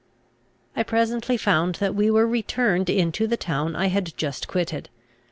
I presently found that we were returned into the town I had just quitted.